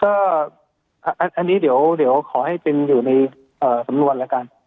ก็อันนี้เดี๋ยวขอให้จึงอยู่ในสำนวนแล้วกัน